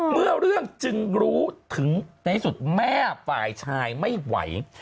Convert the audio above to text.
เมื่อเรื่องจึงรู้ถึงในที่สุดแม่ฝ่ายชายไม่ไหว